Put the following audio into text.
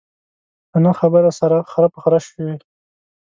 په نه خبره سره خره په خره شوي.